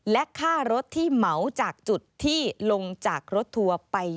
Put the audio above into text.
และค่ารถที่เหมาจากจุดที่ลงจากรถทัวร์ไป